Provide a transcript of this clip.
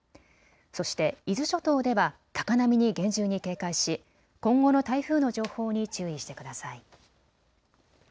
そして伊豆諸島では高波に厳重に警戒し、今後の台風の情報に注意してください。